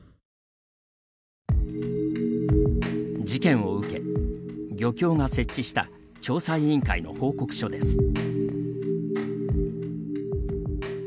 事件を受け、漁協が設置した調査委員会の報告書です。